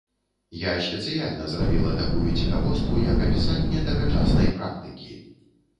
Я спецыяльна зрабіла такую цікавостку як апісанне тагачаснай практыкі.